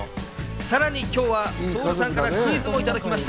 さらに今日は徹さんからクイズもいただきました。